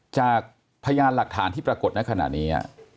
จากพยายามหากฐานที่ปรากฏขนาดนี้